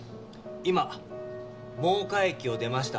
「今真岡駅を出ました」